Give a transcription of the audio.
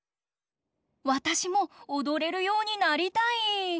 わたしもおどれるようになりたい！